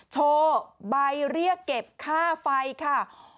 โชว์ใบเรียกเก็บค่าไฟค่ะ